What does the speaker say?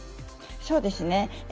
そうですね。